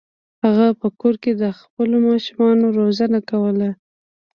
هغه په کور کې د خپلو ماشومانو روزنه کوله.